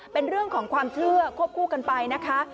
เป็นเรื่องของความเชื่อควบคู่กันไปนะคะ